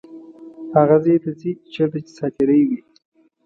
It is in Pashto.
هغه ځای ته ځي چیرته چې ساعتېرۍ وي.